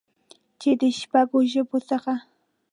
چې د شپږ ژبو څخه